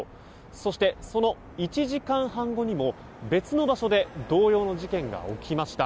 そして、その１時間半後にも別の場所で同様の事件が起きました。